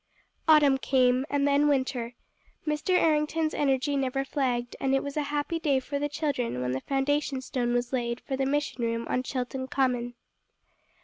Autumn came, and then winter. Mr. Errington's energy never flagged; and it was a happy day for the children when the foundation stone was laid for the mission room on Chilton Common.